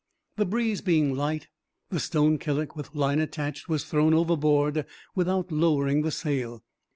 The breeze being light, the stone killick with line attached was thrown overboard without lowering the sail.